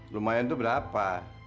lumayan tuh berapa